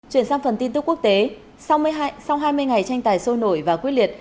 chuyển sang phần tin tức quốc tế sau hai mươi ngày tranh tài sôi nổi và quyết liệt